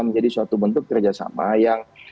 menjadi suatu bentuk kerjasama yang